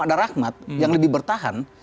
ada rahmat yang lebih bertahan